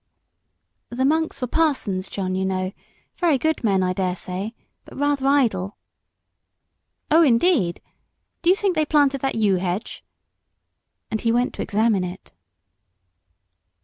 "The monks were parsons, John, you know. Very good men, I dare say, but rather idle." "Oh, indeed. Do you think they planted that yew hedge?" And he went to examine it.